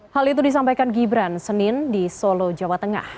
hal itu disampaikan gibran senin di solo jawa tengah